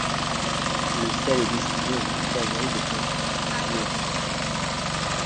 Le sel est destiné aux conserveries de poisson ou exporté.